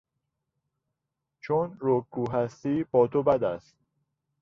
چون رکگو هستی با تو بد است.